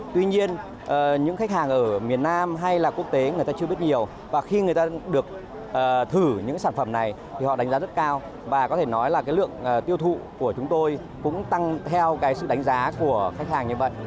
tuy nhiên những khách hàng ở miền nam hay là quốc tế người ta chưa biết nhiều và khi người ta được thử những sản phẩm này thì họ đánh giá rất cao và có thể nói là cái lượng tiêu thụ của chúng tôi cũng tăng theo cái sự đánh giá của khách hàng như vậy